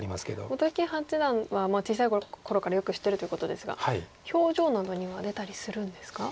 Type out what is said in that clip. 本木八段は小さい頃からよく知ってるということですが表情などには出たりするんですか？